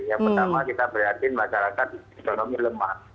yang pertama kita prihatin masyarakat ekonomi lemah